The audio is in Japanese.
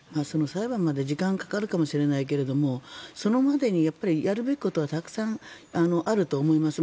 裁判まで時間がかかるかもしれないけどそれまでにやるべきことはたくさんあると思います。